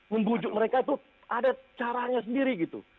membujuk mereka itu ada caranya sendiri gitu